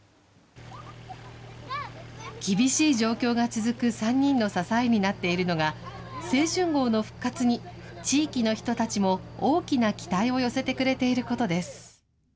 厳しい状況が続く３人の支えになっているのが、青春号の復活に、地域の人たちも大きな期待を寄せてくれていることです。